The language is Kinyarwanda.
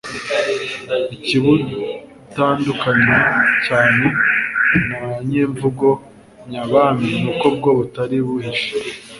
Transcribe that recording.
ikibutandukanya cyane na nyemvugo nyabami ni uko bwo butari buhishe